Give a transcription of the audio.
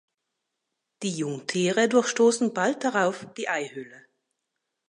Die Jungtiere durchstoßen bald darauf die Eihülle.